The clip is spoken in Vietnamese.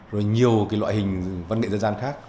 rồi nhiều cái loại hình văn nghệ dân gian khác